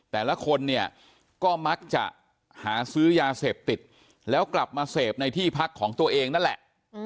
แต่ละคนเนี่ยก็มักจะหาซื้อยาเสพติดแล้วกลับมาเสพในที่พักของตัวเองนั่นแหละ